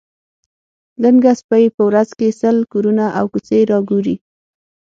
لنګه سپۍ په ورځ کې سل کورونه او کوڅې را ګوري.